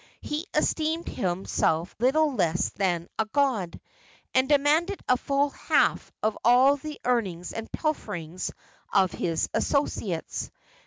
He esteemed himself little less than a god, and demanded a full half of all the earnings and pilferings of his associates.